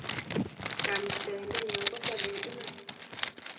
Kamukta-indennyo ko sabe iman